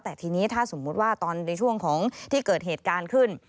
แต่ทีนี้ถ้าสมมุติว่าตอนในช่วงของที่เกิดเหตุการณ์ขึ้น